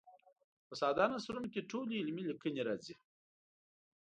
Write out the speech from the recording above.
په ساده نثرونو کې ټولې علمي لیکنې راځي.